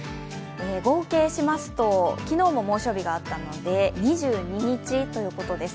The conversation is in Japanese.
合計しますと、昨日も猛暑日があったので２２日ということです。